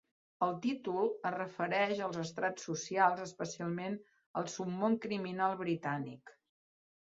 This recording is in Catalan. El títol es refereix als estrats socials, especialment al submón criminal britànic.